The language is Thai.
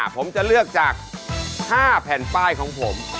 ผมจะเลือกจาก๕แผ่นป้ายของผม